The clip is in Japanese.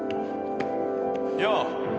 よう。